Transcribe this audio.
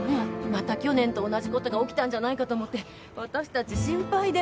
また去年と同じことが起きたんじゃないかと思って私たち心配で。